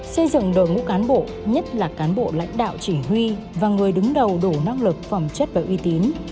xây dựng đội ngũ cán bộ nhất là cán bộ lãnh đạo chỉ huy và người đứng đầu đủ năng lực phẩm chất và uy tín